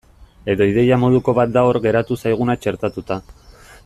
Edo ideia moduko bat da hor geratu zaiguna txertatuta.